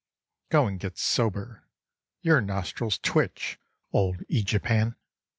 " Go and get sober, your nostrils twitch, old Aegipan.